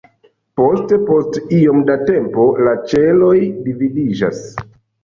Poste, post iom da tempo, la ĉeloj dividiĝas.